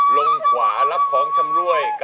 ลงขวารับของชำรวย